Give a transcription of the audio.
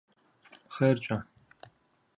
Хъеркӏэ!